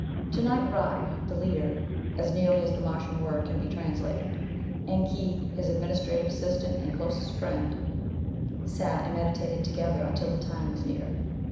Tonight Ry, the leader (as nearly as the Martian word can be translated), and Khee, his administrative assistant and closest friend, sat and meditated together until the time was near.